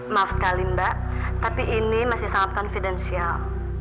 maaf sekali mbak tapi ini masih sangat confidensial